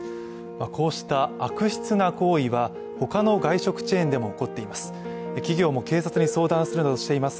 こうした悪質な行為は、他の外食チェーンでも起こっています。